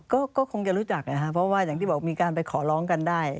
ก็คงจะรู้จักนะครับเพราะว่าอย่างที่บอกมีการไปขอร้องกันได้